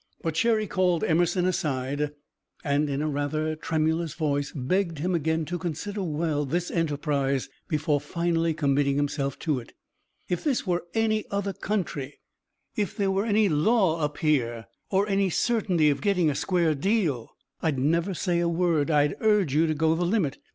But Cherry called Emerson aside, and in a rather tremulous voice begged him again to consider well this enterprise before finally committing himself to it. "If this were any other country, if there were any law up here or any certainty of getting a square deal, I'd never say a word, I'd urge you to go the limit.